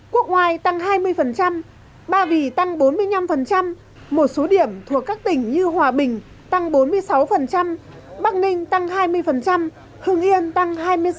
quốc ngoài tăng hai mươi ba vì tăng bốn mươi năm một số điểm thuộc các tỉnh như hòa bình tăng bốn mươi sáu bắc ninh tăng hai mươi hưng yên tăng hai mươi sáu